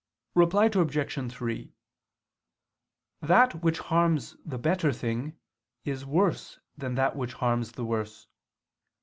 Reply Obj. 3: That which harms the better thing is worse than that which harms the worse.